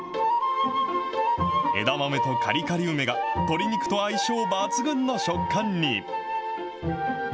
枝豆とカリカリ梅が鶏肉と相性抜群の食感に。